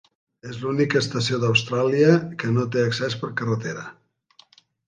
És l'única estació d'Austràlia que no té accés per carretera.